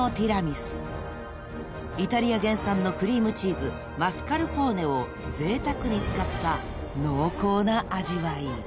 ［イタリア原産のクリームチーズマスカルポーネをぜいたくに使った濃厚な味わい］